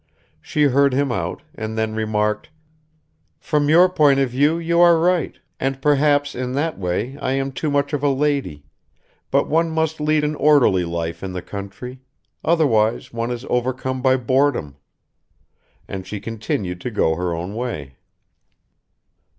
She heard him out, and then remarked, "From your point of view you are right and perhaps in that way I am too much of a lady but one must lead an orderly life in the country; otherwise one is overcome by boredom," and she continued to go her own way.